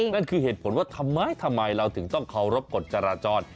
นั่นคือเหตุผลว่าทำไมทำไมเราถึงต้องเคารพกฎจราจร